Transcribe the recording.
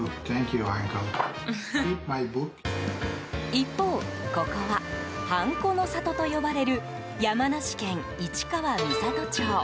一方、ここはハンコの里と呼ばれる山梨県市川三郷町。